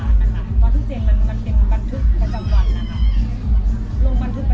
ตอนที่เซ็นมันเป็นบันทึกประจำวันนะคะลงบันทึกประจำวันนะคะ